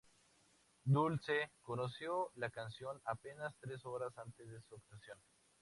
Dulce conoció la canción apenas tres horas antes de su actuación.